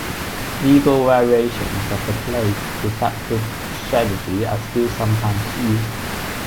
Legal variations of the play's deceptive strategy are still sometimes used.